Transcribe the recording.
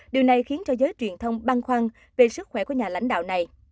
điều này khiến cho giới truyền thông băn khoăn về sức khỏe của nhà lãnh đạo này